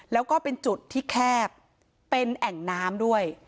แล้วก็เป็นจุดที่แคบเป็นแอ่งน้ำด้วย